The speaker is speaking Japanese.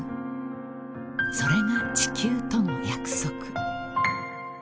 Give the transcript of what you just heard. ［それが地球との約束］